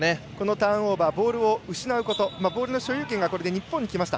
ターンオーバーはボールを失うこと、ボールの所有権が日本にきました。